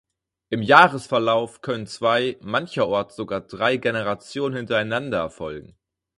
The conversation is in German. Im Jahresverlauf können zwei, mancherorts sogar drei Generationen hintereinander erfolgen.